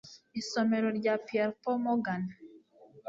isomero rya Pierpont Morgan